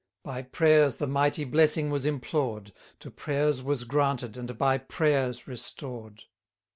By prayers the mighty blessing was implored, To prayers was granted, and by prayers restored.